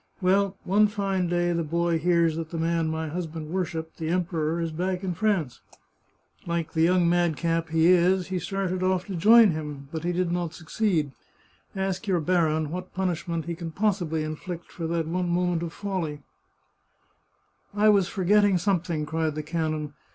Well, one fine day the boy hears that the man my husband worshipped, the Emperor, is back in France. Like the young madcap he is, he started off to join him, but 91 The Chartreuse of Parma he did not succeed. Ask your baron what punishment he can possibly inflict for that one moment of folly," " I was forgetting something," cried the canon.